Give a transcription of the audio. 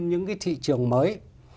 những cái thị trường mới